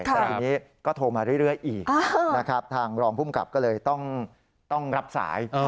แต่ทีนี้ก็โทรมาเรื่อยอีกนะครับทางรองภูมิกับก็เลยต้องรับสาย